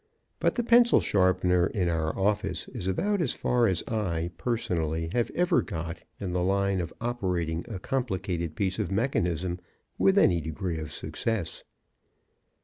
But the pencil sharpener in our office is about as far as I, personally, have ever got in the line of operating a complicated piece of mechanism with any degree of success.